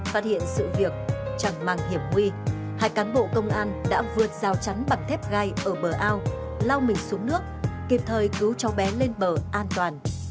phát hiện sự việc chẳng mang hiểm nguy hai cán bộ công an đã vượt rào chắn bằng thép gai ở bờ ao lao mình xuống nước kịp thời cứu cháu bé lên bờ an toàn